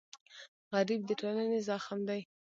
غریب د ټولنې زخم دی